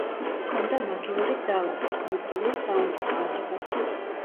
ჰქონდა მაგიური ძალა და, ბუნებრივია, საუნჯის გაგებაც.